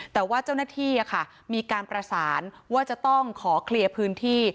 แต่ว่าเจ้าหน้าที่มีการประสานว่าจะต้องขอเคลียร์พื้นที่